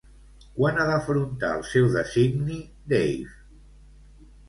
Quan ha d'afrontar el seu designi Dave?